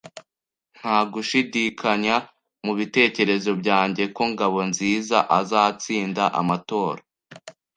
Ntagushidik anya mubitekerezo byanjye ko Ngabonzizaazatsinda amatora.